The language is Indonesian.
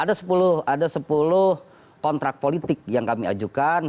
ada sepuluh kontrak politik yang kami ajukan